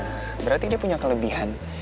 berarti dia punya kelebihan